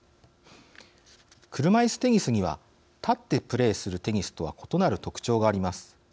車いすテニスには立ってプレーするテニスとは異なる特徴があります。